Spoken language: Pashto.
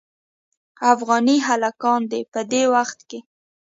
افغاني هلکان دې په دې وخت کې.